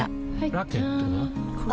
ラケットは？